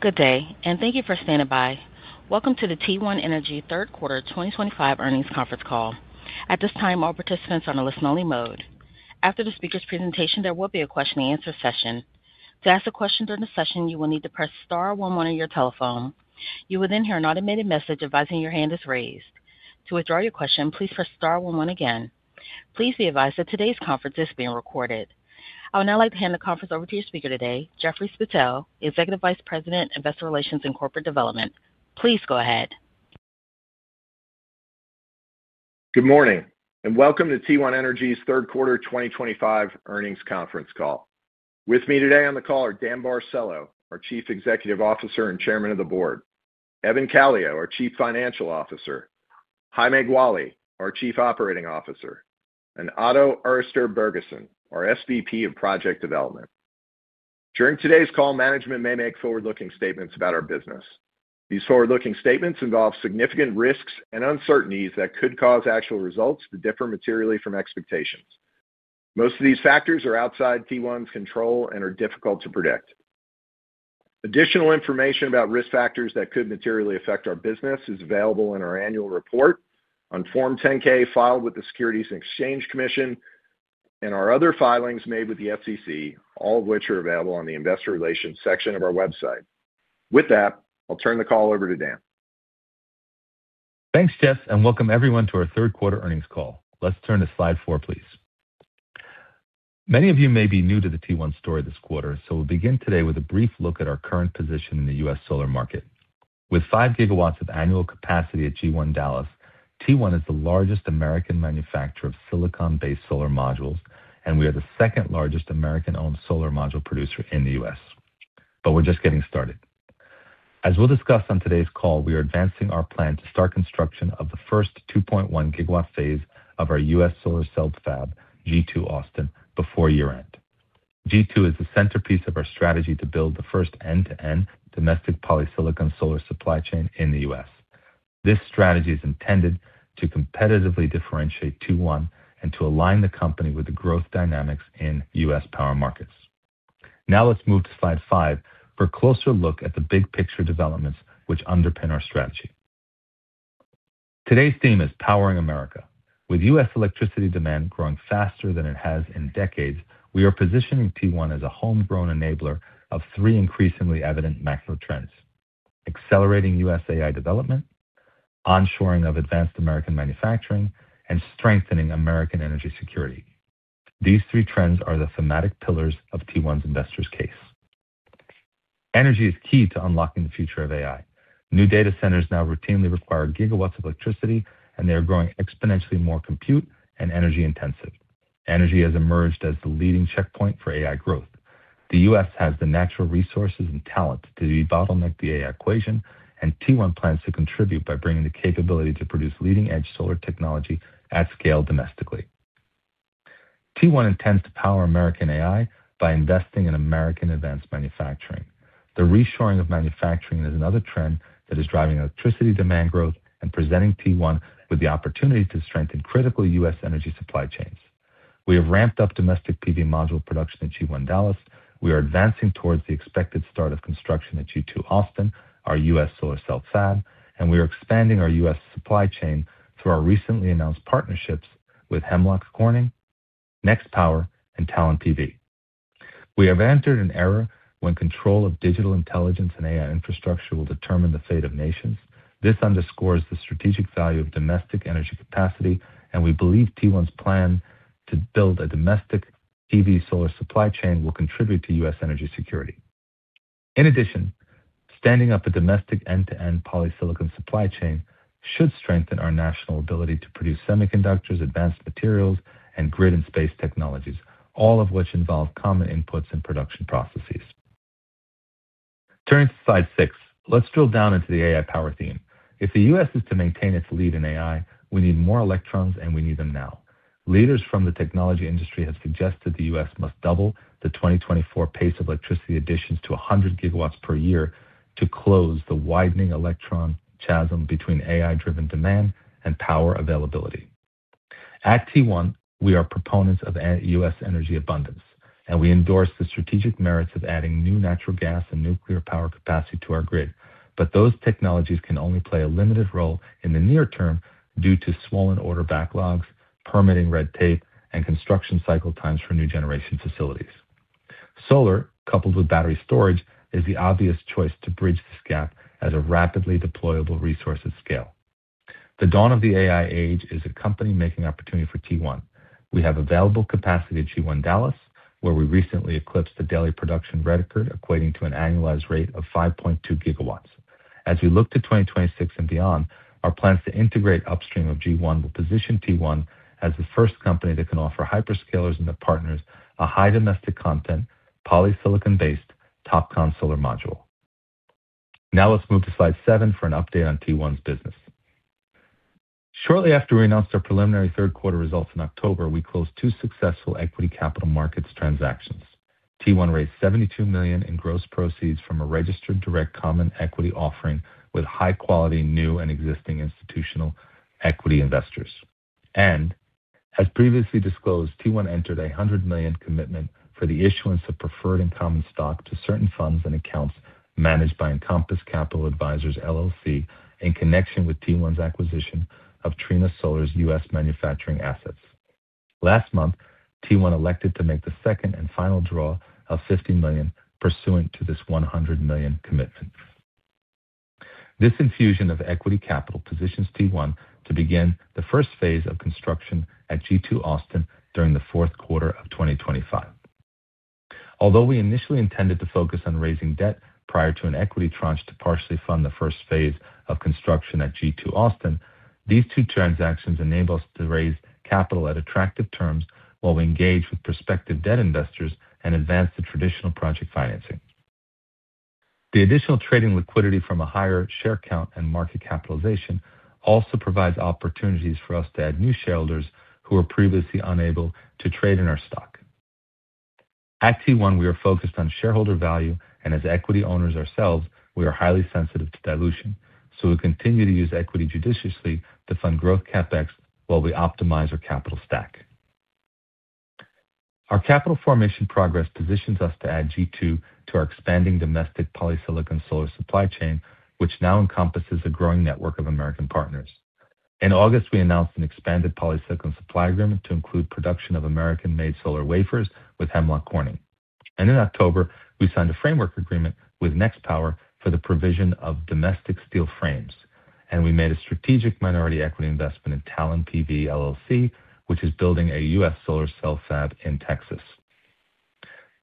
Good day, and thank you for standing by. Welcome to the T1 Energy third quarter 2025 earnings conference call. At this time, all participants are in a listen-only mode. After the speaker's presentation, there will be a question-and-answer session. To ask a question during the session, you will need to press star one one on your telephone. You will then hear an automated message advising your hand is raised. To withdraw your question, please press star one one again. Please be advised that today's conference is being recorded. I would now like to hand the conference over to your speaker today, Jeffrey Spittel, Executive Vice President, Investor Relations and Corporate Development. Please go ahead. Good morning, and welcome to T1 Energy's third quarter 2025 earnings conference call. With me today on the call are Dan Barcelo, our Chief Executive Officer and Chairman of the Board; Evan Calio, our Chief Financial Officer; Jaime Gualy, our Chief Operating Officer; and Otto Erster Bergesen, our SVP of Project Development. During today's call, management may make forward-looking statements about our business. These forward-looking statements involve significant risks and uncertainties that could cause actual results to differ materially from expectations. Most of these factors are outside T1's control and are difficult to predict. Additional information about risk factors that could materially affect our business is available in our annual report on Form 10-K filed with the Securities and Exchange Commission and our other filings made with the SEC, all of which are available on the Investor Relations section of our website. With that, I'll turn the call over to Dan. Thanks, Jeff, and welcome everyone to our third quarter earnings call. Let's turn to slide four, please. Many of you may be new to the T1 story this quarter, so we'll begin today with a brief look at our current position in the U.S. solar market. With 5 GW of annual capacity at G1 Dallas, T1 is the largest American manufacturer of silicon-based solar modules, and we are the second-largest American-owned solar module producer in the U.S. We are just getting started. As we'll discuss on today's call, we are advancing our plan to start construction of the first 2.1GW phase of our U.S. solar cell fab, G2 Austin, before year-end. G2 is the centerpiece of our strategy to build the first end-to-end domestic polysilicon solar supply chain in the U.S.. This strategy is intended to competitively differentiate T1 and to align the company with the growth dynamics in U.S. power markets. Now let's move to slide five for a closer look at the big picture developments which underpin our strategy. Today's theme is Powering America. With U.S. electricity demand growing faster than it has in decades, we are positioning T1 as a homegrown enabler of three increasingly evident macro trends: accelerating U.S. AI development, onshoring of advanced American manufacturing, and strengthening American energy security. These three trends are the thematic pillars of T1's investor's case. Energy is key to unlocking the future of AI. New data centers now routinely require gigawatts of electricity, and they are growing exponentially more compute and energy intensive. Energy has emerged as the leading checkpoint for AI growth. The U.S. has the natural resources and talent to debottleneck the AI equation, and T1 plans to contribute by bringing the capability to produce leading-edge solar technology at scale domestically. T1 intends to power American AI by investing in American advanced manufacturing. The reshoring of manufacturing is another trend that is driving electricity demand growth and presenting T1 with the opportunity to strengthen critical U.S. energy supply chains. We have ramped up domestic PV module production at G1 Dallas. We are advancing towards the expected start of construction at G2 Austin, our U.S. solar cell fab, and we are expanding our U.S. supply chain through our recently announced partnerships with Hemlock Corning, Next Power, and Talon PV. We have entered an era when control of digital intelligence and AI infrastructure will determine the fate of nations. This underscores the strategic value of domestic energy capacity, and we believe T1's plan to build a domestic PV solar supply chain will contribute to U.S. energy security. In addition, standing up a domestic end-to-end polysilicon supply chain should strengthen our national ability to produce semiconductors, advanced materials, and grid and space technologies, all of which involve common inputs and production processes. Turning to slide six, let's drill down into the AI power theme. If the U.S. is to maintain its lead in AI, we need more electrons, and we need them now. Leaders from the technology industry have suggested the U.S. must double the 2024 pace of electricity additions to 100 GW per year to close the widening electron chasm between AI-driven demand and power availability. At T1, we are proponents of U.S. Energy abundance, and we endorse the strategic merits of adding new natural gas and nuclear power capacity to our grid. Those technologies can only play a limited role in the near term due to swollen order backlogs, permitting red tape, and construction cycle times for new generation facilities. Solar, coupled with battery storage, is the obvious choice to bridge this gap as a rapidly deployable resource at scale. The dawn of the AI age is a company-making opportunity for T1. We have available capacity at G1 Dallas, where we recently eclipsed the daily production record, equating to an annualized rate of 5.2 GW. As we look to 2026 and beyond, our plans to integrate upstream of G1 will position T1 as the first company that can offer hyperscalers and their partners a high-domestic content, polysilicon-based Topcon solar module. Now let's move to slide seven for an update on T1's business. Shortly after we announced our preliminary third quarter results in October, we closed two successful equity capital markets transactions. T1 raised $72 million in gross proceeds from a registered direct common equity offering with high-quality new and existing institutional equity investors. As previously disclosed, T1 entered a $100 million commitment for the issuance of preferred and common stock to certain funds and accounts managed by Encompass Capital Advisors in connection with T1's acquisition of Trina Solar's U.S. manufacturing assets. Last month, T1 elected to make the second and final draw of $50 million pursuant to this $100 million commitment. This infusion of equity capital positions T1 to begin the first phase of construction at G2 Austin during the fourth quarter of 2025. Although we initially intended to focus on raising debt prior to an equity tranche to partially fund the first phase of construction at G2 Austin, these two transactions enable us to raise capital at attractive terms while we engage with prospective debt investors and advance the traditional project financing. The additional trading liquidity from a higher share count and market capitalization also provides opportunities for us to add new shareholders who were previously unable to trade in our stock. At T1, we are focused on shareholder value, and as equity owners ourselves, we are highly sensitive to dilution, so we continue to use equity judiciously to fund growth CapEx while we optimize our capital stack. Our capital formation progress positions us to add G2 to our expanding domestic polysilicon solar supply chain, which now encompasses a growing network of American partners. In August, we announced an expanded polysilicon supply agreement to include production of American-made solar wafers with Hemlock Corning. In October, we signed a framework agreement with Next Power for the provision of domestic steel frames, and we made a strategic minority equity investment in Talon PV LLC, which is building a U.S. solar cell fab in Texas.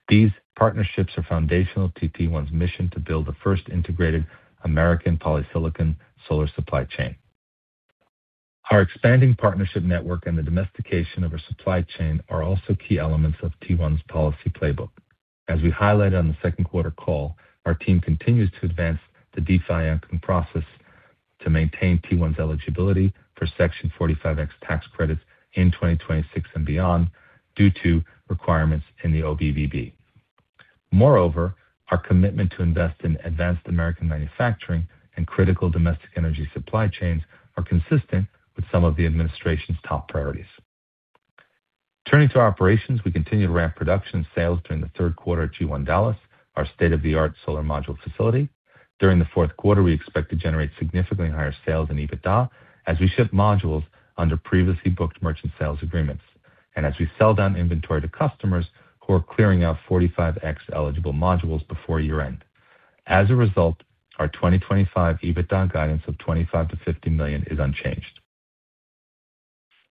These partnerships are foundational to T1's mission to build the first integrated American polysilicon solar supply chain. Our expanding partnership network and the domestication of our supply chain are also key elements of T1's policy playbook. As we highlighted on the second quarter call, our team continues to advance the de-fiancing process to maintain T1's eligibility for Section 45X tax credits in 2026 and beyond due to requirements in the OBBA. Moreover, our commitment to invest in advanced American manufacturing and critical domestic energy supply chains is consistent with some of the administration's top priorities. Turning to our operations, we continue to ramp production and sales during the third quarter at G1 Dallas, our state-of-the-art solar module facility. During the fourth quarter, we expect to generate significantly higher sales in EBITDA as we ship modules under previously booked merchant sales agreements and as we sell down inventory to customers who are clearing out 45X eligible modules before year-end. As a result, our 2025 EBITDA guidance of $25 million-$50 million is unchanged.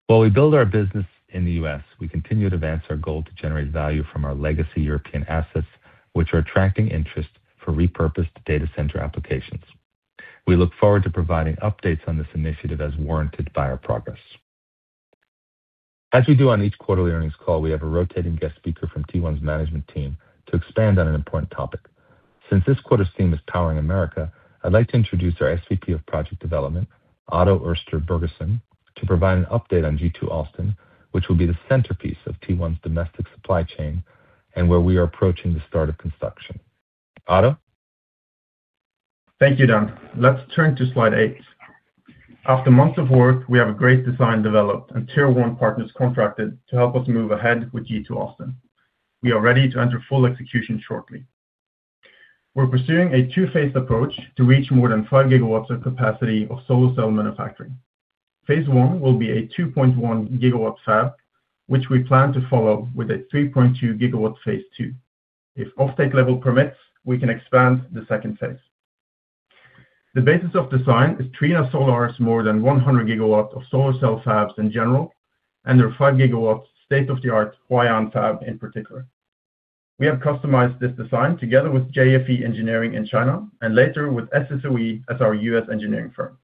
While we build our business in the U.S., we continue to advance our goal to generate value from our legacy European assets, which are attracting interest for repurposed data center applications. We look forward to providing updates on this initiative as warranted by our progress. As we do on each quarterly earnings call, we have a rotating guest speaker from T1's management team to expand on an important topic. Since this quarter's theme is Powering America, I'd like to introduce our SVP of Project Development, Otto Erster Bergesen, to provide an update on G2 Austin, which will be the centerpiece of T1's domestic supply chain and where we are approaching the start of construction. Otto? Thank you, Dan. Let's turn to slide eight. After months of work, we have a great design developed and tier-one partners contracted to help us move ahead with G2 Austin. We are ready to enter full execution shortly. We're pursuing a two-phased approach to reach more than 5 GW of capacity of solar cell manufacturing. Phase I will be a 2.1 GW fab, which we plan to follow with a 3.2 GW phase II. If offtake level permits, we can expand the second phase. The basis of design is Trina Solar's more than 100 GW of solar cell fabs in general and their 5 GW state-of-the-art Huayan fab in particular. We have customized this design together with JFE Engineering in China and later with SSOE as our U.S. engineering firm.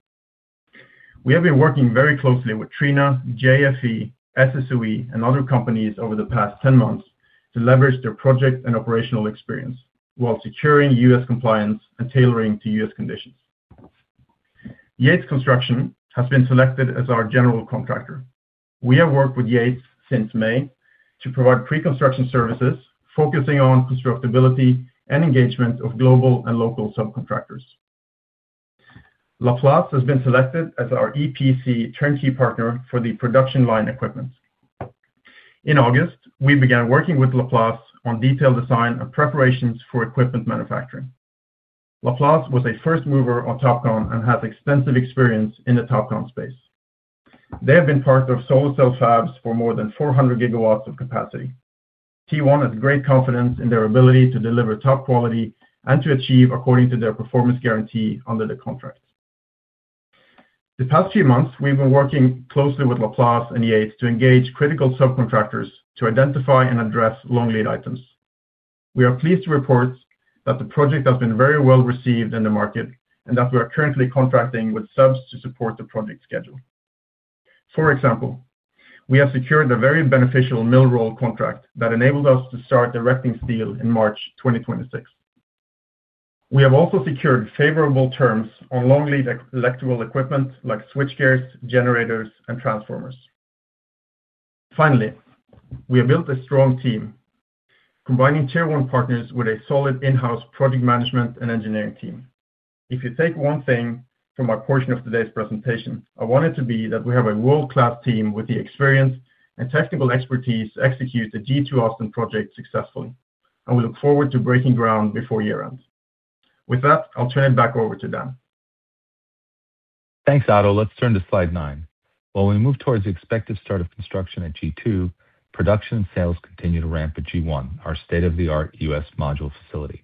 We have been working very closely with Trina, JFE, SSOE, and other companies over the past 10 months to leverage their project and operational experience while securing U.S. compliance and tailoring to U.S. conditions. Yates Construction has been selected as our general contractor. We have worked with Yates since May to provide pre-construction services focusing on constructability and engagement of global and local subcontractors. La Place has been selected as our EPC turnkey partner for the production line equipment. In August, we began working with La Place on detailed design and preparations for equipment manufacturing. La Place was a first mover on Topcon and has extensive experience in the Topcon space. They have been part of solar cell fabs for more than 400 GW of capacity. T1 has great confidence in their ability to deliver top quality and to achieve according to their performance guarantee under the contract. The past few months, we've been working closely with La Place and Yates to engage critical subcontractors to identify and address long lead items. We are pleased to report that the project has been very well received in the market and that we are currently contracting with subs to support the project schedule. For example, we have secured a very beneficial mill roll contract that enabled us to start directing steel in March 2026. We have also secured favorable terms on long lead electrical equipment like switchgears, generators, and transformers. Finally, we have built a strong team, combining tier-one partners with a solid in-house project management and engineering team. If you take one thing from my portion of today's presentation, I want it to be that we have a world-class team with the experience and technical expertise to execute the G2 Austin project successfully, and we look forward to breaking ground before year-end. With that, I'll turn it back over to Dan. Thanks, Otto. Let's turn to slide nine. While we move towards the expected start of construction at G2, production and sales continue to ramp at G1, our state-of-the-art U.S. module facility.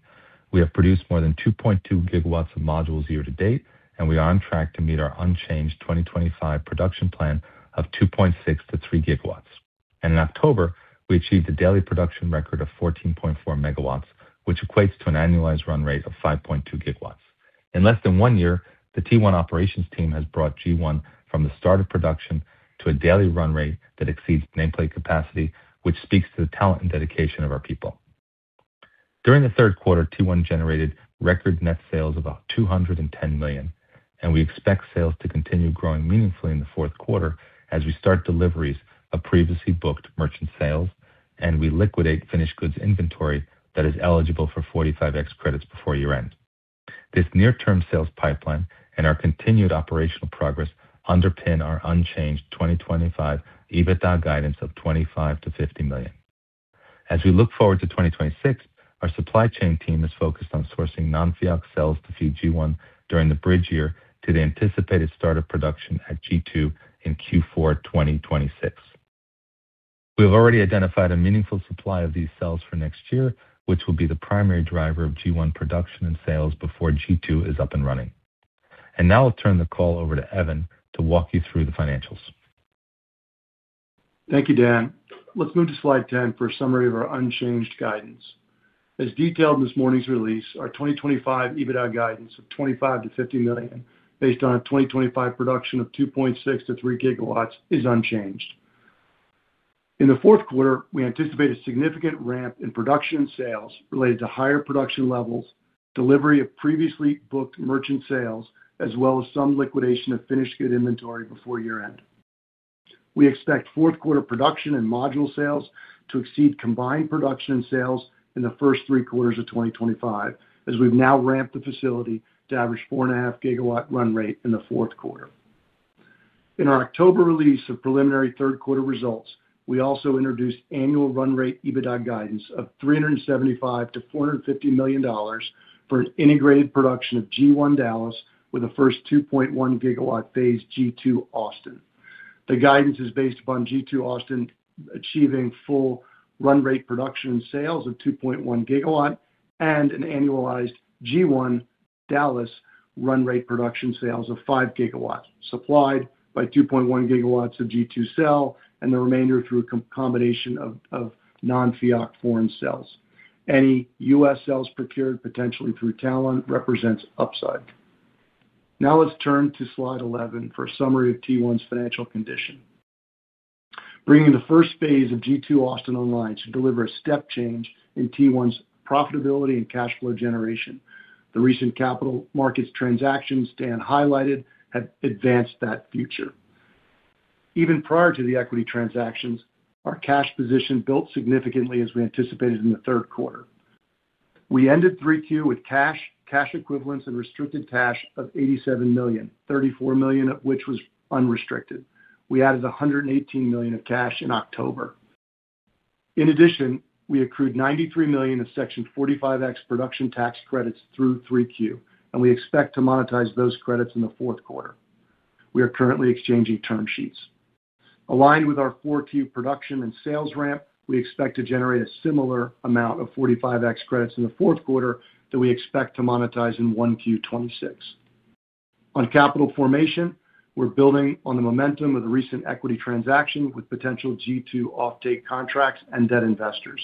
We have produced more than 2.2 GW of modules year-to-date, and we are on track to meet our unchanged 2025 production plan of 2.6-3 GW. In October, we achieved a daily production record of 14.4 MW, which equates to an annualized run rate of 5.2 GW. In less than one year, the T1 operations team has brought G1 from the start of production to a daily run rate that exceeds nameplate capacity, which speaks to the talent and dedication of our people. During the third quarter, T1 Energy generated record net sales of about $210 million, and we expect sales to continue growing meaningfully in the fourth quarter as we start deliveries of previously booked merchant sales and we liquidate finished goods inventory that is eligible for 45X credits before year-end. This near-term sales pipeline and our continued operational progress underpin our unchanged 2025 EBITDA guidance of $25 million-$50 million. As we look forward to 2026, our supply chain team is focused on sourcing non-FIAC cells to fuel G1 during the bridge year to the anticipated start of production at G2 in Q4 2026. We have already identified a meaningful supply of these cells for next year, which will be the primary driver of G1 production and sales before G2 is up and running. Now I'll turn the call over to Evan to walk you through the financials. Thank you, Dan. Let's move to slide 10 for a summary of our unchanged guidance. As detailed in this morning's release, our 2025 EBITDA guidance of $25 million-$50 million based on a 2025 production of 2.6-3 GW is unchanged. In the fourth quarter, we anticipate a significant ramp in production and sales related to higher production levels, delivery of previously booked merchant sales, as well as some liquidation of finished good inventory before year-end. We expect fourth quarter production and module sales to exceed combined production and sales in the first three quarters of 2025, as we've now ramped the facility to average 4.5 GW run rate in the fourth quarter. In our October release of preliminary third quarter results, we also introduced annual run rate EBITDA guidance of $375 million-$450 million for an integrated production of G1 Dallas with a first 2.1 GW phase G2 Austin. The guidance is based upon G2 Austin achieving full run rate production and sales of 2.1 GW and an annualized G1 Dallas run rate production sales of 5 GW supplied by 2.1 GW of G2 cell and the remainder through a combination of non-FIAC foreign cells. Any U.S. cells procured potentially through Talon represents upside. Now let's turn to slide 11 for a summary of T1's financial condition, bringing the first phase of G2 Austin online to deliver a step change in T1's profitability and cash flow generation. The recent capital markets transactions Dan highlighted have advanced that future. Even prior to the equity transactions, our cash position built significantly as we anticipated in the third quarter. We ended 3Q with cash, cash equivalents, and restricted cash of $87 million, $34 million of which was unrestricted. We added $118 million of cash in October. In addition, we accrued $93 million of Section 45X production tax credits through 3Q, and we expect to monetize those credits in the fourth quarter. We are currently exchanging term sheets. Aligned with our 4Q production and sales ramp, we expect to generate a similar amount of 45X credits in the fourth quarter that we expect to monetize in 1Q 2026. On capital formation, we're building on the momentum of the recent equity transaction with potential G2 offtake contracts and debt investors.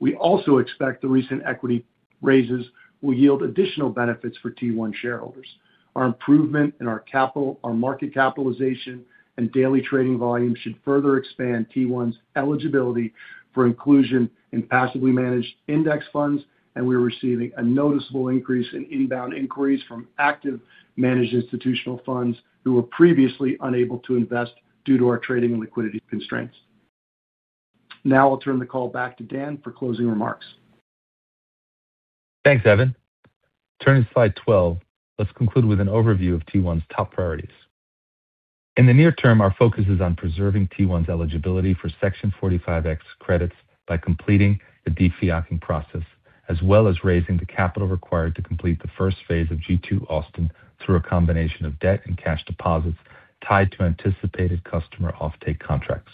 We also expect the recent equity raises will yield additional benefits for T1 shareholders. Our improvement in our capital, our market capitalization, and daily trading volume should further expand T1's eligibility for inclusion in passively managed index funds, and we are receiving a noticeable increase in inbound inquiries from active managed institutional funds who were previously unable to invest due to our trading and liquidity constraints. Now I'll turn the call back to Dan for closing remarks. Thanks, Evan. Turning to slide 12, let's conclude with an overview of T1's top priorities. In the near term, our focus is on preserving T1's eligibility for Section 45X credits by completing the de-fiancing process, as well as raising the capital required to complete the first phase of G2 Austin through a combination of debt and cash deposits tied to anticipated customer offtake contracts.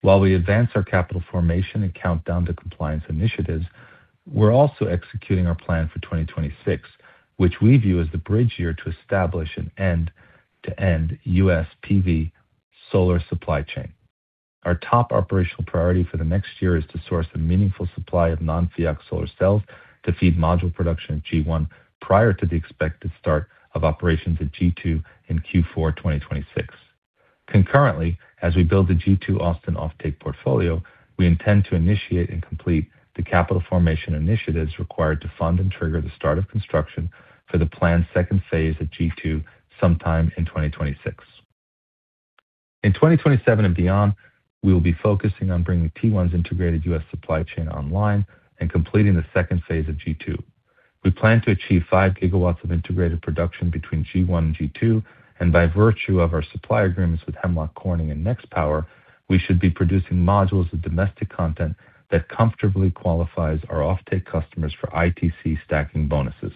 While we advance our capital formation and count down to compliance initiatives, we're also executing our plan for 2026, which we view as the bridge year to establish an end-to-end U.S. PV solar supply chain. Our top operational priority for the next year is to source a meaningful supply of non-FIAC cells to feed module production at G1 prior to the expected start of operations at G2 in Q4 2026. Concurrently, as we build the G2 Austin offtake portfolio, we intend to initiate and complete the capital formation initiatives required to fund and trigger the start of construction for the planned second phase at G2 sometime in 2026. In 2027 and beyond, we will be focusing on bringing T1's integrated U.S. supply chain online and completing the second phase of G2. We plan to achieve 5 gigawatts of integrated production between G1 and G2, and by virtue of our supply agreements with Hemlock Corning and Next Power, we should be producing modules of domestic content that comfortably qualifies our offtake customers for ITC stacking bonuses.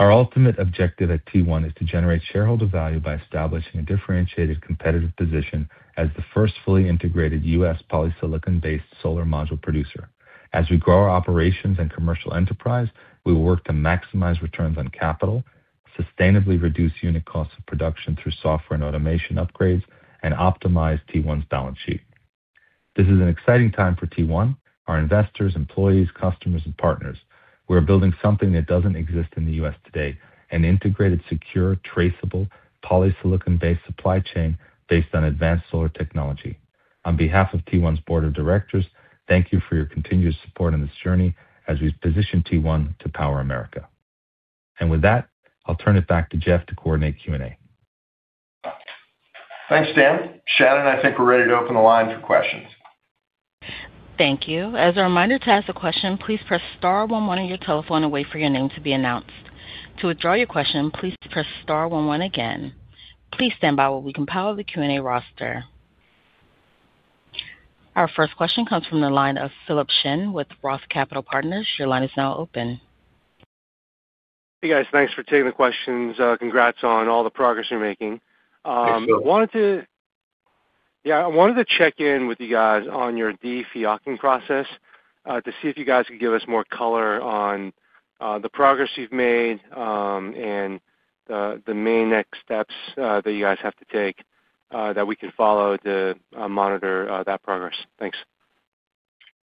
Our ultimate objective at T1 is to generate shareholder value by establishing a differentiated competitive position as the first fully integrated U.S. polysilicon-based solar module producer. As we grow our operations and commercial enterprise, we will work to maximize returns on capital, sustainably reduce unit costs of production through software and automation upgrades, and optimize T1's balance sheet. This is an exciting time for T1, our investors, employees, customers, and partners. We are building something that does not exist in the U.S. today, an integrated, secure, traceable polysilicon-based supply chain based on advanced solar technology. On behalf of T1's board of directors, thank you for your continued support in this journey as we position T1 to power America. I will turn it back to Jeff to coordinate Q&A. Thanks, Dan. Shannon, I think we're ready to open the line for questions. Thank you. As a reminder to ask a question, please press star one one on your telephone and wait for your name to be announced. To withdraw your question, please press star one one again. Please stand by while we compile the Q&A roster. Our first question comes from the line of Philip Shin with Roth Capital Partners. Your line is now open. Hey, guys. Thanks for taking the questions. Congrats on all the progress you're making. Thank you. Yeah, I wanted to check in with you guys on your de-fiancing process to see if you guys could give us more color on the progress you've made and the main next steps that you guys have to take that we can follow to monitor that progress. Thanks.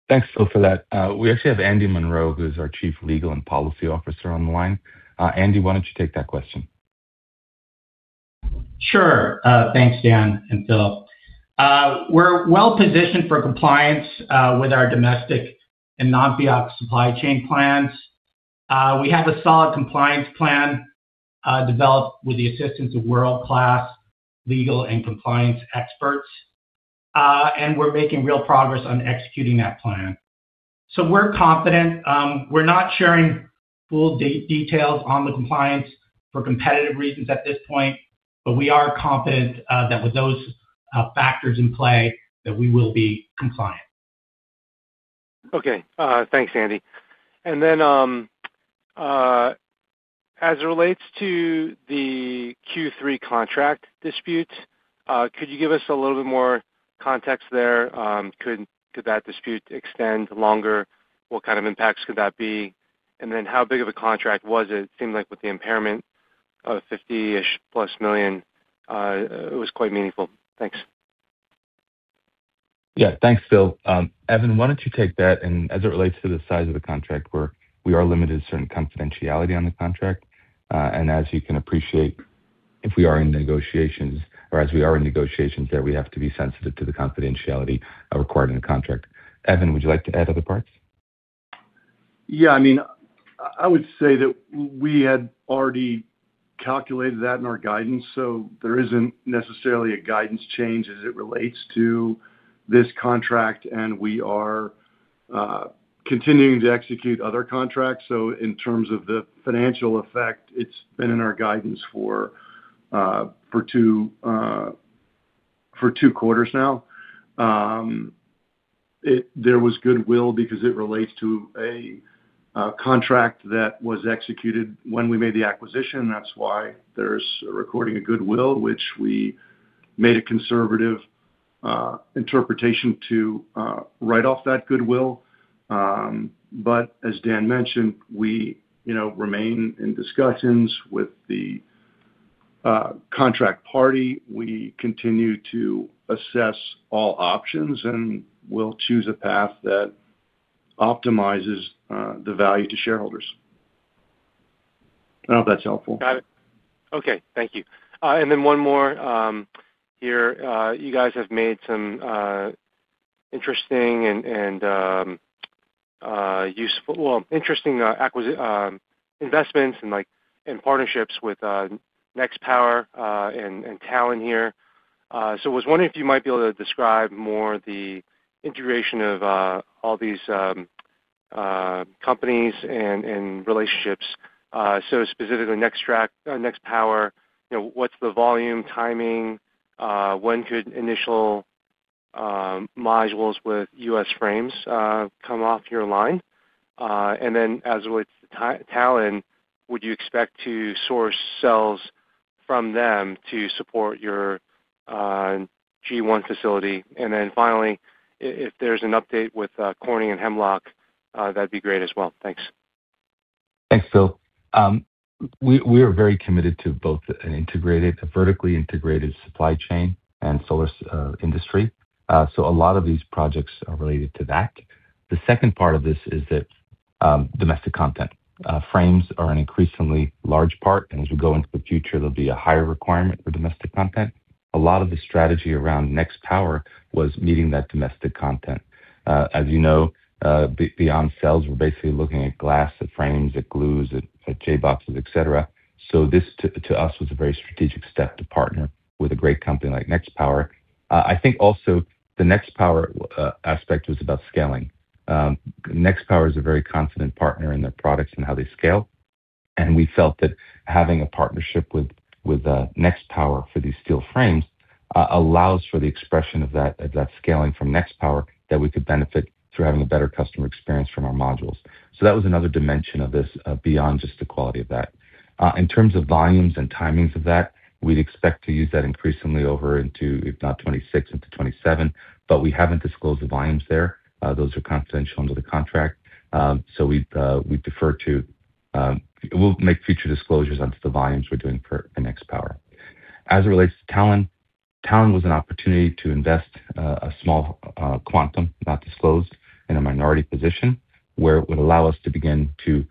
Thanks, Philip, for that. We actually have Andy Munro, who is our Chief Legal and Policy Officer on the line. Andy, why don't you take that question? Sure. Thanks, Dan and Philip. We're well-positioned for compliance with our domestic and non-FIAC supply chain plans. We have a solid compliance plan developed with the assistance of world-class legal and compliance experts, and we're making real progress on executing that plan. We're confident. We're not sharing full details on the compliance for competitive reasons at this point, but we are confident that with those factors in play, that we will be compliant. Okay. Thanks, Andy. As it relates to the Q3 contract dispute, could you give us a little bit more context there? Could that dispute extend longer? What kind of impacts could that be? How big of a contract was it? It seemed like with the impairment of $50 million-plus, it was quite meaningful. Thanks. Yeah. Thanks, Phil. Evan, why don't you take that? As it relates to the size of the contract, we are limited to certain confidentiality on the contract. As you can appreciate, if we are in negotiations or as we are in negotiations, we have to be sensitive to the confidentiality required in the contract. Evan, would you like to add other parts? Yeah. I mean, I would say that we had already calculated that in our guidance, so there isn't necessarily a guidance change as it relates to this contract. We are continuing to execute other contracts. In terms of the financial effect, it's been in our guidance for two quarters now. There was goodwill because it relates to a contract that was executed when we made the acquisition. That's why there's a recording of goodwill, which we made a conservative interpretation to write off that goodwill. As Dan mentioned, we remain in discussions with the contract party. We continue to assess all options and will choose a path that optimizes the value to shareholders. I don't know if that's helpful. Got it. Okay. Thank you. One more here. You guys have made some interesting and useful, well, interesting investments and partnerships with Next Power and Talon here. I was wondering if you might be able to describe more the integration of all these companies and relationships. Specifically, Next Power, what's the volume, timing? When could initial modules with U.S. frames come off your line? As it relates to Talon, would you expect to source cells from them to support your G1 facility? Finally, if there's an update with Corning and Hemlock, that'd be great as well. Thanks. Thanks, Phil. We are very committed to both an integrated, vertically integrated supply chain and solar industry. A lot of these projects are related to that. The second part of this is that domestic content frames are an increasingly large part. As we go into the future, there will be a higher requirement for domestic content. A lot of the strategy around Next Power was meeting that domestic content. As you know, beyond cells, we are basically looking at glass, at frames, at glues, at J-boxes, etc. This, to us, was a very strategic step to partner with a great company like Next Power. I think also the Next Power aspect was about scaling. Next Power is a very confident partner in their products and how they scale. We felt that having a partnership with Next Power for these steel frames allows for the expression of that scaling from Next Power that we could benefit through having a better customer experience from our modules. That was another dimension of this beyond just the quality of that. In terms of volumes and timings of that, we'd expect to use that increasingly over into, if not 2026, into 2027, but we haven't disclosed the volumes there. Those are confidential under the contract. We defer to making future disclosures on the volumes we're doing for Next Power. As it relates to Talon, Talon was an opportunity to invest a small quantum, not disclosed, in a minority position where it would allow us to begin to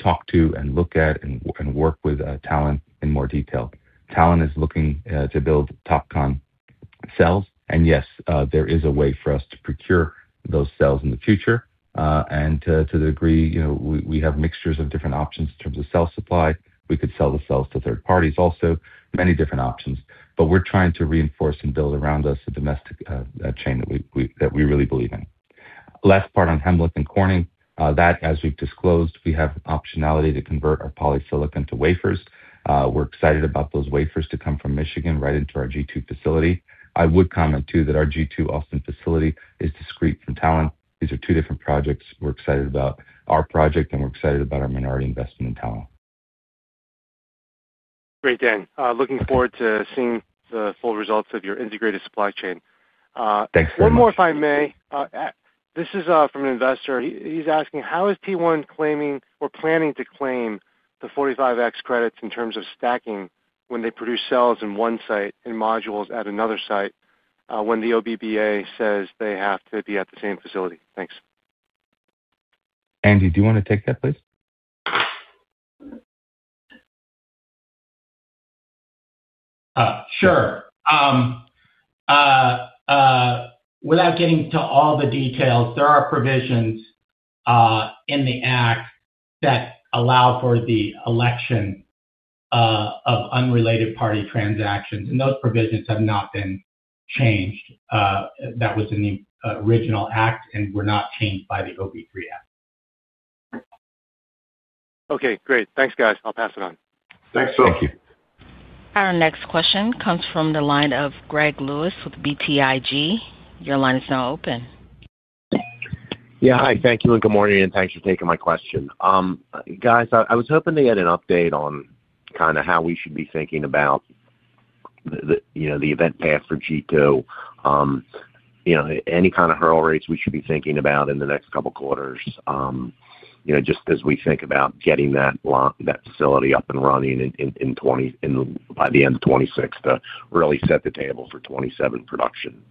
talk to and look at and work with Talon in more detail. Talon is looking to build Topcon cells. Yes, there is a way for us to procure those cells in the future. To the degree we have mixtures of different options in terms of cell supply, we could sell the cells to third parties also, many different options. We are trying to reinforce and build around us a domestic chain that we really believe in. Last part on Hemlock Corning, as we have disclosed, we have optionality to convert our polysilicon to wafers. We are excited about those wafers to come from Michigan right into our G2 facility. I would comment, too, that our G2 Austin facility is discrete from Talon. These are two different projects we are excited about. Our project, and we are excited about our minority investment in Talon. Great, Dan. Looking forward to seeing the full results of your integrated supply chain. Thanks, Dan. One more, if I may. This is from an investor. He's asking, how is T1 claiming or planning to claim the 45X credits in terms of stacking when they produce cells in one site and modules at another site when the OBBA says they have to be at the same facility? Thanks. Andy, do you want to take that, please? Sure. Without getting to all the details, there are provisions in the act that allow for the election of unrelated party transactions. Those provisions have not been changed. That was in the original act and were not changed by the OBBA. Okay. Great. Thanks, guys. I'll pass it on. Thanks, Phil. Thank you. Our next question comes from the line of Greg Lewis with BTIG. Your line is now open. Yeah. Hi. Thank you and good morning. Thanks for taking my question. Guys, I was hoping to get an update on kind of how we should be thinking about the event path for G2, any kind of hurl rates we should be thinking about in the next couple of quarters, just as we think about getting that facility up and running by the end of 2026 to really set the table for 2027 production.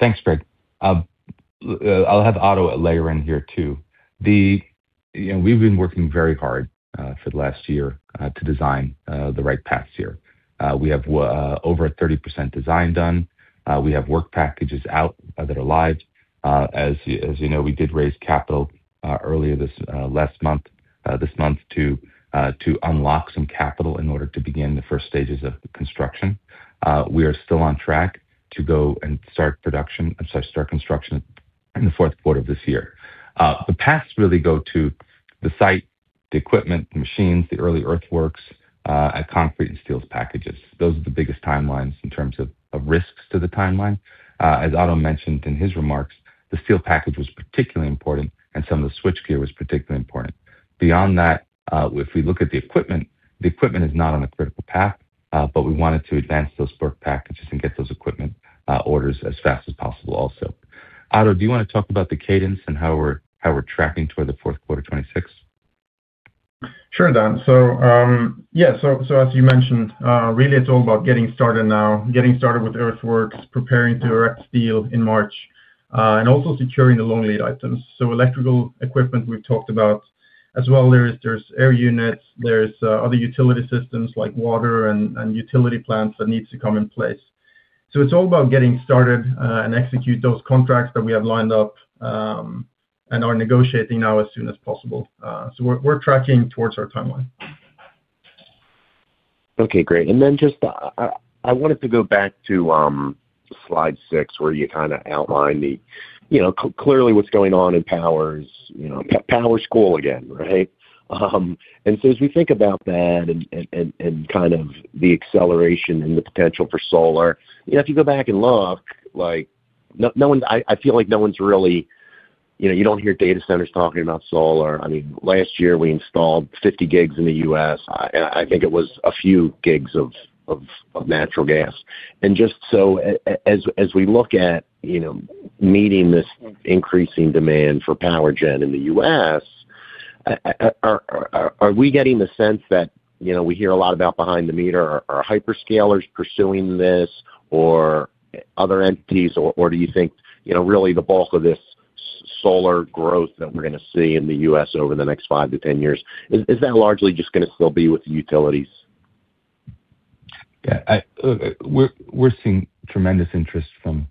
Thanks, Greg. I'll have Otto layer in here, too. We've been working very hard for the last year to design the right path here. We have over 30% design done. We have work packages out that are live. As you know, we did raise capital earlier this month to unlock some capital in order to begin the first stages of construction. We are still on track to go and start production, I'm sorry, start construction in the fourth quarter of this year. The paths really go to the site, the equipment, the machines, the early earthworks, and concrete and steel packages. Those are the biggest timelines in terms of risks to the timeline. As Otto mentioned in his remarks, the steel package was particularly important, and some of the switchgear was particularly important. Beyond that, if we look at the equipment, the equipment is not on a critical path, but we wanted to advance those work packages and get those equipment orders as fast as possible also. Otto, do you want to talk about the cadence and how we're tracking toward the fourth quarter 2026? Sure, Dan. So yeah, so as you mentioned, really, it's all about getting started now, getting started with earthworks, preparing to erect steel in March, and also securing the long lead items. Electrical equipment we've talked about as well. There are air units. There are other utility systems like water and utility plants that need to come in place. It's all about getting started and execute those contracts that we have lined up and are negotiating now as soon as possible. We're tracking towards our timeline. Okay. Great. I wanted to go back to slide six where you kind of outlined clearly what's going on in power's power school again, right? As we think about that and kind of the acceleration and the potential for solar, if you go back and look, I feel like no one's really—you don't hear data centers talking about solar. I mean, last year, we installed 50 GW in the U.S. I think it was a few GW of natural gas. Just as we look at meeting this increasing demand for power gen in the U.S., are we getting the sense that we hear a lot about behind the meter? Are hyperscalers pursuing this or other entities? Or do you think really the bulk of this solar growth that we're going to see in the U.S. over the next 5years-10 years, is that largely just going to still be with utilities? Yeah. We're seeing tremendous interest from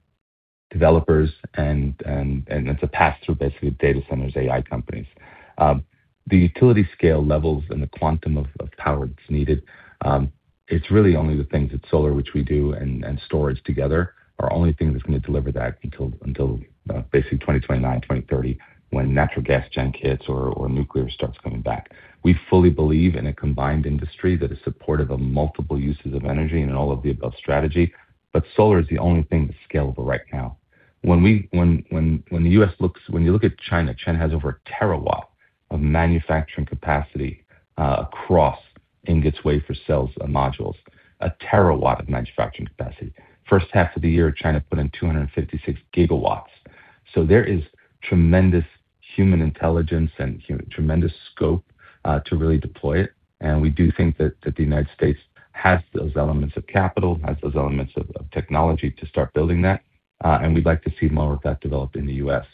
developers, and it's a pass-through, basically, data centers, AI companies. The utility scale levels and the quantum of power that's needed, it's really only the things that solar, which we do, and storage together are the only things that's going to deliver that until basically 2029, 2030, when natural gas junk hits or nuclear starts coming back. We fully believe in a combined industry that is supportive of multiple uses of energy and all of the above strategy, but solar is the only thing that's scalable right now. When the U.S. looks—when you look at China, China has over a terawatt of manufacturing capacity across in-grid wafer cells and modules, a terawatt of manufacturing capacity. First half of the year, China put in 256 GW. So there is tremendous human intelligence and tremendous scope to really deploy it. We do think that the United States has those elements of capital, has those elements of technology to start building that. We'd like to see more of that developed in the U.S.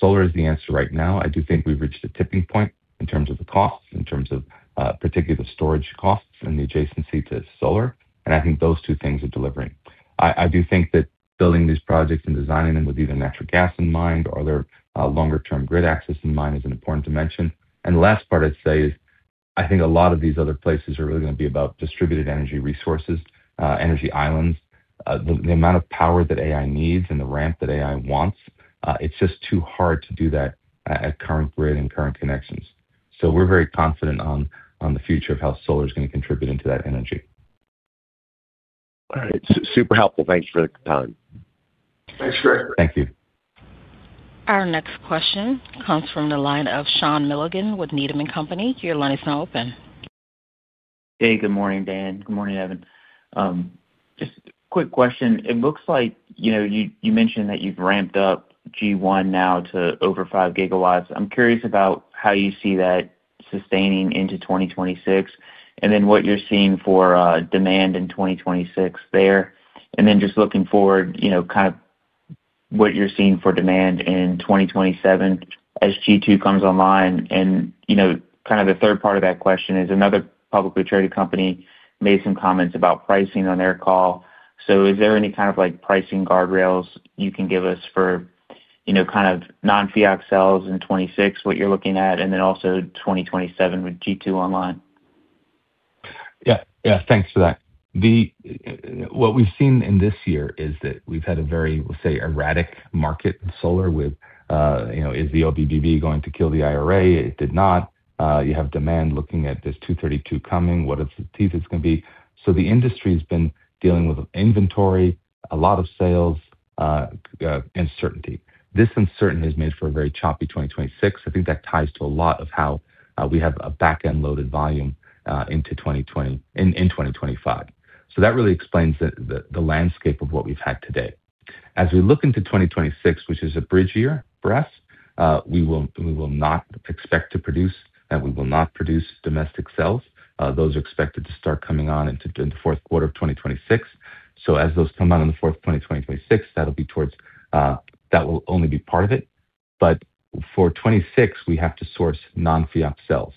Solar is the answer right now. I do think we've reached a tipping point in terms of the costs, in terms of particularly the storage costs and the adjacency to solar. I think those two things are delivering. I do think that building these projects and designing them with either natural gas in mind or other longer-term grid access in mind is an important dimension. The last part I'd say is I think a lot of these other places are really going to be about distributed energy resources, energy islands. The amount of power that AI needs and the ramp that AI wants, it's just too hard to do that at current grid and current connections. We are very confident on the future of how solar is going to contribute into that energy. All right. Super helpful. Thanks for the time. Thanks, Greg. Thank you. Our next question comes from the line of Sean Milligan with Needham & Company. Your line is now open. Hey. Good morning, Dan. Good morning, Evan. Just a quick question. It looks like you mentioned that you've ramped up G1 now to over 5 GW. I'm curious about how you see that sustaining into 2026 and then what you're seeing for demand in 2026 there. Just looking forward, kind of what you're seeing for demand in 2027 as G2 comes online. The third part of that question is another publicly traded company made some comments about pricing on their call. Is there any kind of pricing guardrails you can give us for kind of non-FIAC cells in 2026, what you're looking at, and then also 2027 with G2 online? Yeah. Yeah. Thanks for that. What we've seen in this year is that we've had a very, we'll say, erratic market in solar with, is the OBBA going to kill the IRA? It did not. You have demand looking at this 232 coming. What are the teeth it's going to be? The industry has been dealing with inventory, a lot of sales, uncertainty. This uncertainty has made for a very choppy 2026. I think that ties to a lot of how we have a back-end loaded volume into 2020 and in 2025. That really explains the landscape of what we've had today. As we look into 2026, which is a bridge year for us, we will not expect to produce and we will not produce domestic cells. Those are expected to start coming on into the fourth quarter of 2026. As those come on in the fourth quarter of 2026, that will be towards that will only be part of it. For 2026, we have to source non-FIAC cells.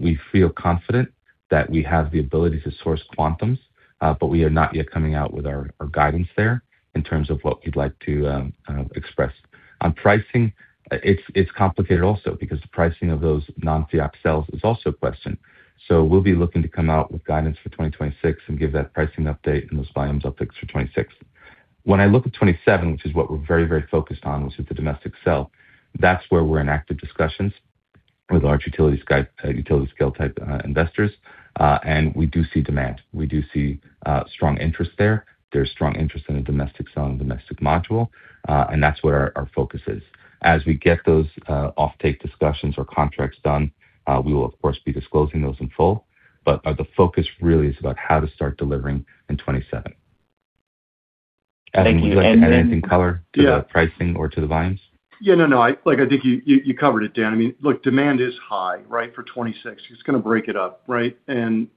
We feel confident that we have the ability to source quantums, but we are not yet coming out with our guidance there in terms of what we'd like to express. On pricing, it's complicated also because the pricing of those non-FIAC cells is also a question. We will be looking to come out with guidance for 2026 and give that pricing update and those volumes updates for 2026. When I look at 2027, which is what we're very, very focused on, which is the domestic cell, that's where we're in active discussions with large utility-scale type investors. We do see demand. We do see strong interest there. There's strong interest in a domestic cell and domestic module. That is where our focus is. As we get those off-take discussions or contracts done, we will, of course, be disclosing those in full. The focus really is about how to start delivering in 2027. Thank you. Anything color to the pricing or to the volumes? Yeah. No, no. I think you covered it, Dan. I mean, look, demand is high, right, for 2026. It's going to break it up, right? And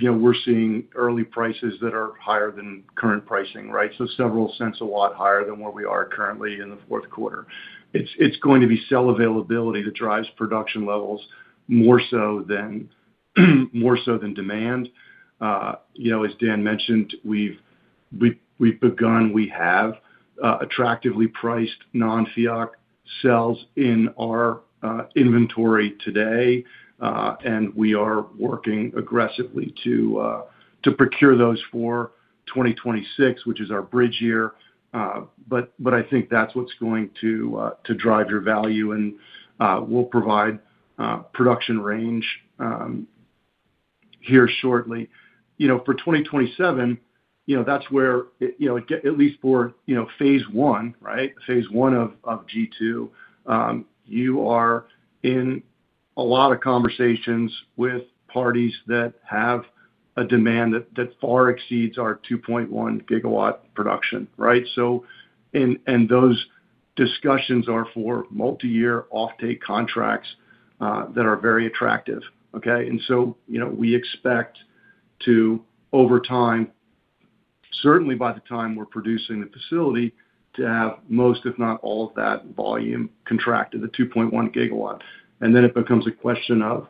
we're seeing early prices that are higher than current pricing, right? So several cents a lot higher than where we are currently in the fourth quarter. It's going to be cell availability that drives production levels more so than demand. As Dan mentioned, we've begun, we have attractively priced non-FIAC cells in our inventory today. And we are working aggressively to procure those for 2026, which is our bridge year. I think that's what's going to drive your value. We'll provide production range here shortly. For 2027, that's where at least for phase I, right, phase I of G2, you are in a lot of conversations with parties that have a demand that far exceeds our 2.1 GW production, right? Those discussions are for multi-year off-take contracts that are very attractive, okay? We expect to, over time, certainly by the time we are producing the facility, to have most, if not all, of that volume contracted, the 2.1 GW. It becomes a question of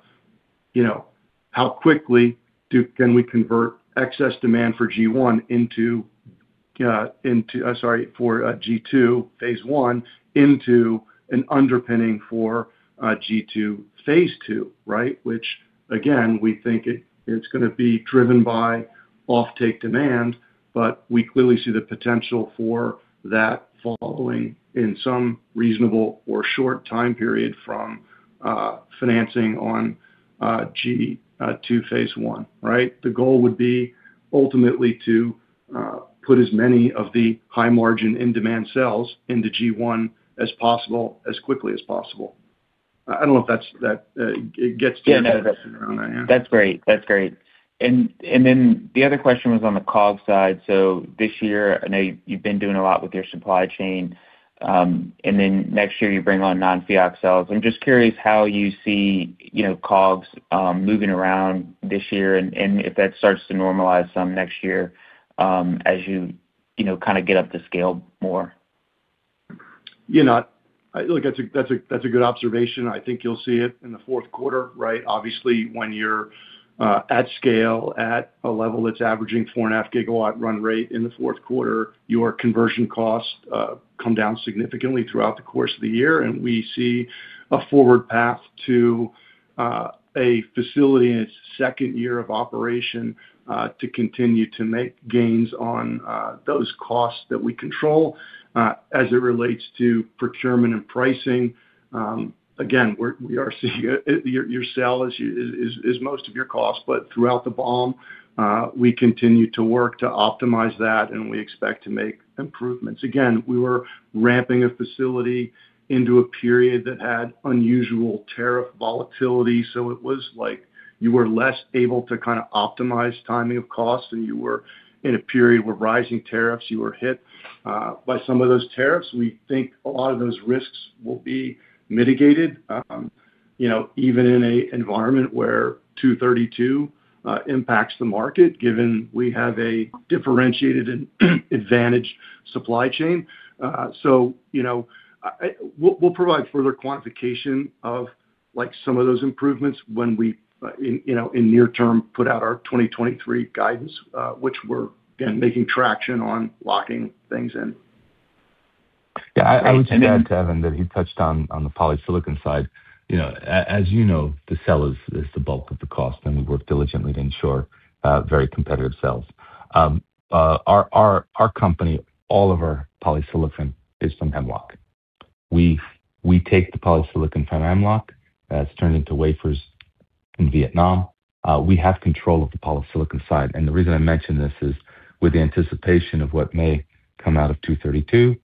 how quickly we can convert excess demand for G1 into, sorry, for G2 phase I into an underpinning for G2 phase II, right? Which, again, we think is going to be driven by off-take demand, but we clearly see the potential for that following in some reasonable or short time period from financing on G2 phase I, right? The goal would be ultimately to put as many of the high-margin in-demand cells into G1 as possible, as quickly as possible. I do not know if that gets to your question around that, yeah. Yeah. That's great. That's great. The other question was on the COGS side. This year, I know you've been doing a lot with your supply chain. Next year, you bring on non-FIAC cells. I'm just curious how you see COGS moving around this year and if that starts to normalize some next year as you kind of get up the scale more. Look, that's a good observation. I think you'll see it in the fourth quarter, right? Obviously, when you're at scale at a level that's averaging 4.5 GW run rate in the fourth quarter, your conversion costs come down significantly throughout the course of the year. We see a forward path to a facility in its second year of operation to continue to make gains on those costs that we control as it relates to procurement and pricing. Again, we are seeing your cell is most of your cost, but throughout the BOM, we continue to work to optimize that, and we expect to make improvements. Again, we were ramping a facility into a period that had unusual tariff volatility. It was like you were less able to kind of optimize timing of costs, and you were in a period where rising tariffs, you were hit by some of those tariffs. We think a lot of those risks will be mitigated even in an environment where 232 impacts the market, given we have a differentiated and advantaged supply chain. We will provide further quantification of some of those improvements when we, in near term, put out our 2023 guidance, which we are, again, making traction on locking things in. Yeah. I would say that, Evan, that he touched on the polysilicon side. As you know, the cell is the bulk of the cost, and we work diligently to ensure very competitive cells. Our company, all of our polysilicon is from Hemlock. We take the polysilicon from Hemlock. That is turned into wafers in Vietnam. We have control of the polysilicon side. The reason I mention this is with the anticipation of what may come out of 232,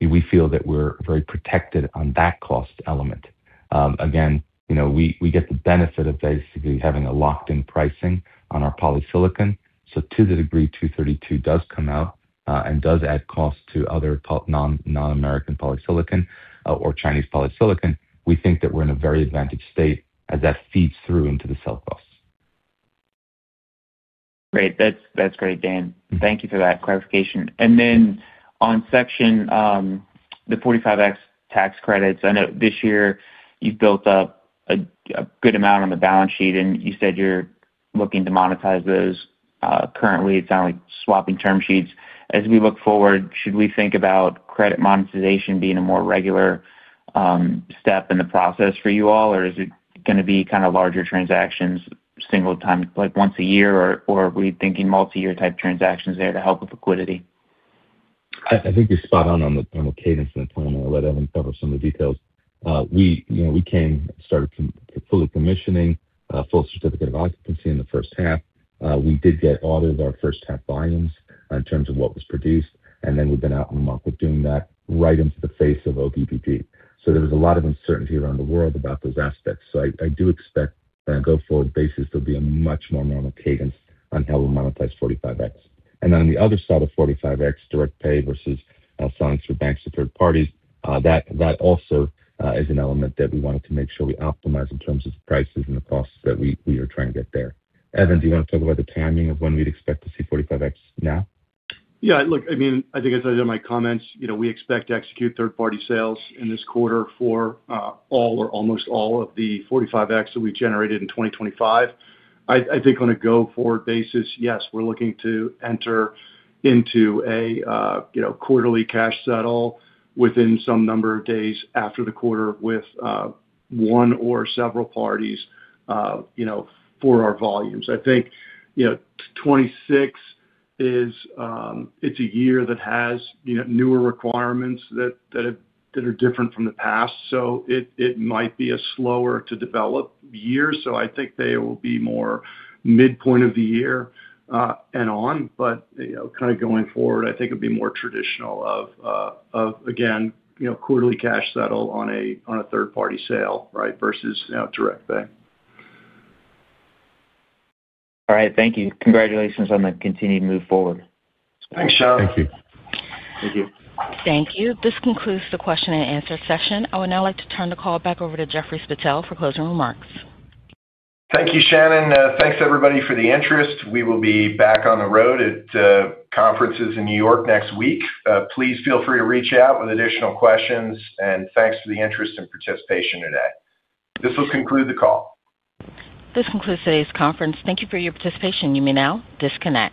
we feel that we are very protected on that cost element. Again, we get the benefit of basically having a locked-in pricing on our polysilicon. To the degree 232 does come out and does add cost to other non-American polysilicon or Chinese polysilicon, we think that we are in a very advantaged state as that feeds through into the cell costs. Great. That's great, Dan. Thank you for that clarification. On the 45X tax credits, I know this year you've built up a good amount on the balance sheet, and you said you're looking to monetize those currently. It sounds like swapping term sheets. As we look forward, should we think about credit monetization being a more regular step in the process for you all, or is it going to be kind of larger transactions, single time, like once a year, or are we thinking multi-year type transactions there to help with liquidity? I think you're spot on on the cadence and the timing. I'll let Evan cover some of the details. We came and started fully commissioning full certificate of occupancy in the first half. We did get audited our first half volumes in terms of what was produced. Then we've been out and about with doing that right into the face of OBBA. There was a lot of uncertainty around the world about those aspects. I do expect on a go-forward basis, there'll be a much more normal cadence on how we monetize 45X. On the other side of 45X, direct pay versus signs for banks and third parties, that also is an element that we wanted to make sure we optimize in terms of the prices and the costs that we are trying to get there. Evan, do you want to talk about the timing of when we'd expect to see 45X now? Yeah. Look, I mean, I think I said in my comments, we expect to execute third-party sales in this quarter for all or almost all of the 45X that we've generated in 2025. I think on a go-forward basis, yes, we're looking to enter into a quarterly cash saddle within some number of days after the quarter with one or several parties for our volumes. I think 2026 is a year that has newer requirements that are different from the past. It might be a slower to develop year. I think they will be more midpoint of the year and on. Kind of going forward, I think it'd be more traditional of, again, quarterly cash saddle on a third-party sale, right, versus direct pay. All right. Thank you. Congratulations on the continued move forward. Thanks, Sean. Thank you. Thank you. Thank you. This concludes the question and answer session. I would now like to turn the call back over to Jeffrey Spittel for closing remarks. Thank you, Shannon. Thanks, everybody, for the interest. We will be back on the road at conferences in New York next week. Please feel free to reach out with additional questions. Thank you for the interest and participation today. This will conclude the call. This concludes today's conference. Thank you for your participation. You may now disconnect.